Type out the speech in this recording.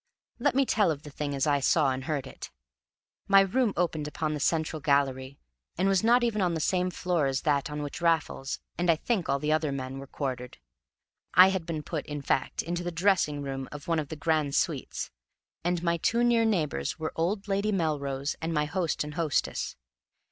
Let me tell of the thing as I saw and heard it. My room opened upon the central gallery, and was not even on the same floor as that on which Raffles and I think all the other men were quartered. I had been put, in fact, into the dressing room of one of the grand suites, and my too near neighbors were old Lady Melrose and my host and hostess.